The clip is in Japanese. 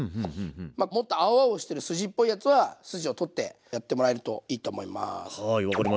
まあもっと青々してる筋っぽいやつは筋を取ってやってもらえるといいと思います。